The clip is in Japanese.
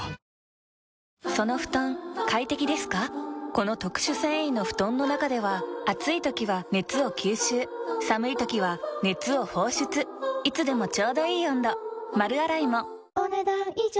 この特殊繊維の布団の中では暑い時は熱を吸収寒い時は熱を放出いつでもちょうどいい温度丸洗いもお、ねだん以上。